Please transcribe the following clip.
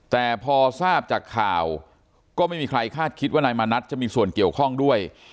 แต่พอทราบจากข่าวก็ไม่มีใครคาดคิดว่านายมานัดจะมีส่วนเกี่ยวข้องด้วย